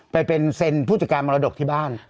ไปเป็นเซ็นผู้จัดการมรดกที่บ้าน